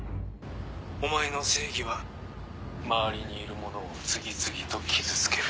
お前の正義は周りにいる者を次々と傷つける。